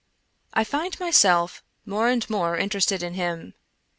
T FIND myself more and more interested in him.